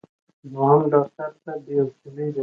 دوهم: ډاکټر صاحب بې حوصلې دی.